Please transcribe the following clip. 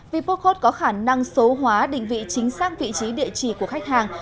vipocode có khả năng số hóa định vị chính xác vị trí địa chỉ của khách hàng